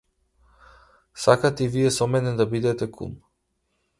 Сакате и вие со мене да бидете кум?